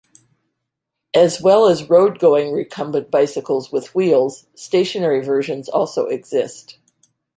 As well as road-going recumbent bicycles with wheels, stationary versions also exist.